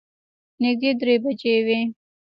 نږدې درې بجې وې.